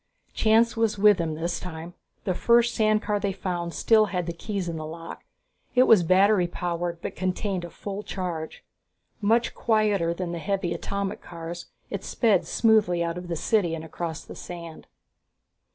Chance was with them this time. The first sand car they found still had the keys in the lock. It was battery powered, but contained a full charge. Much quieter than the heavy atomic cars, it sped smoothly out of the city and across the sand.